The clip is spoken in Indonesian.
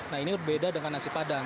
nah ini beda dengan nasi padang